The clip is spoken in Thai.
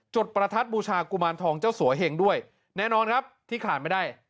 ประทัดบูชากุมารทองเจ้าสัวเหงด้วยแน่นอนครับที่ขาดไม่ได้